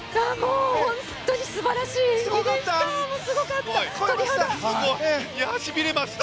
本当に素晴らしい演技でした！